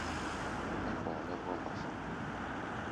Mí kɔ̧ɔ̧ nɛ́ gɔ̧́ gbafón.